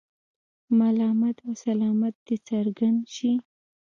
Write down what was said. ملامت او سلامت دې څرګند شي.